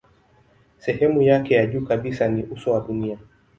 Sehemu yake ya juu kabisa ni uso wa dunia.